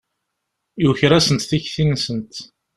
Yuker-asent tikti-nsent.